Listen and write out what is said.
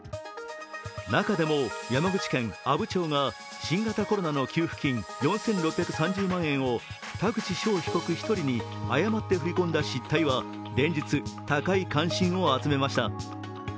中でも山口県阿武町が新型コロナの給付金４６３０万円を田口翔被告１人に誤って振り込んだ失態は連日、高い関心を集めました。